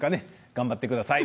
頑張ってください。